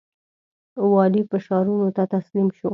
والي فشارونو ته تسلیم شو.